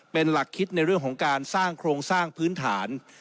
เป็นหลักคิดในเรื่องของการสร้างโครงสร้างพื้นฐาน